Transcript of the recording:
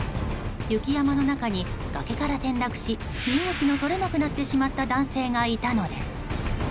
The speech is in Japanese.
雪山の中に、崖から転落し身動きの取れなくなってしまった男性がいたのです。